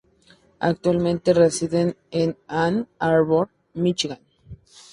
Actualmente reside en Ann Arbor, Michigan.